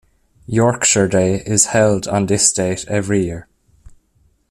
Yorkshire Day is held on this date each year.